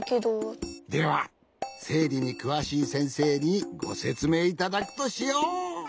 ではせいりにくわしいせんせいにごせつめいいただくとしよう！